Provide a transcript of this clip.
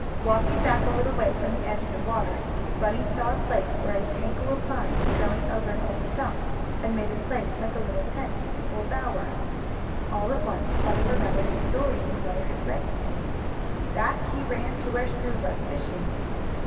Walking back a little way from the edge of the water, Bunny saw a place where a tangle of vines, growing over an old stump, had made a place like a little tent, or bower. All at once Bunny remembered a story his mother had read to him. Back he ran to where Sue was fishing.